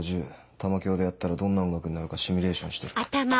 玉響でやったらどんな音楽になるかシミュレーションしてる。